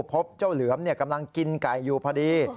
พบเจ้าเหลือมกำลังกินไก่อยู่พอดี